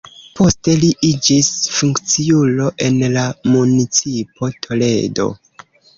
Poste li iĝis funkciulo en la Municipo Toledo.